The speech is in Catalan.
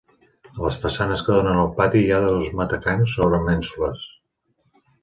A les façanes que donen al pati hi ha dos matacans sobre mènsules.